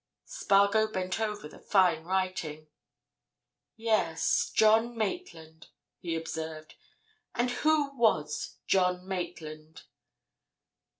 Spargo bent over the fine writing. "Yes, John Maitland," he observed. "And who was John Maitland?"